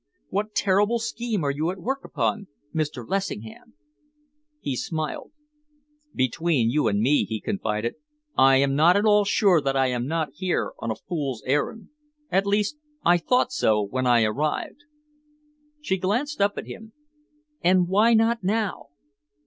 What terrible scheme are you at work upon, Mr. Lessingham?" He smiled. "Between you and me," he confided, "I am not at all sure that I am not here on a fool's errand at least I thought so when I arrived." She glanced up at him. "And why not now?"